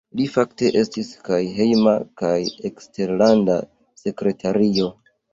Li fakte estis kaj Hejma kaj Eksterlanda Sekretario.